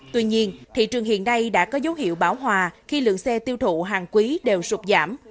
tuy nhiên thị trường hiện nay đã có dấu hiệu bảo hòa khi lượng xe tiêu thụ hàng quý đều sụp giảm